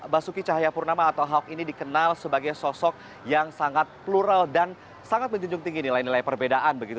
basuki cahayapurnama atau ahok ini dikenal sebagai sosok yang sangat plural dan sangat menjunjung tinggi nilai nilai perbedaan begitu